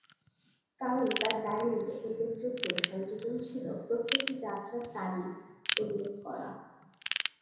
কারণ তাঁর ডায়রির উল্লেখযোগ্য সংযোজন ছিল প্রত্যেকটি যাত্রার তারিখ উল্লেখ করা।